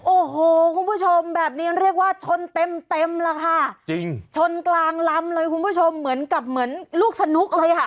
โอ้โหคุณผู้ชมแบบนี้เรียกว่าชนเต็มเต็มแล้วค่ะจริงชนกลางลำเลยคุณผู้ชมเหมือนกับเหมือนลูกสนุกเลยอ่ะ